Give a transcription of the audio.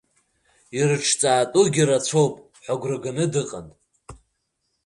Ирыҿҵаатәугьы рацәоуп ҳәа агәра ганы дыҟан.